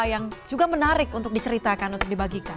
yang juga menarik untuk diceritakan untuk dibagikan